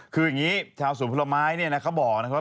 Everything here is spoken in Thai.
คืออย่างนี้ชาวสวนผลไม้เขาบอกนะครับว่า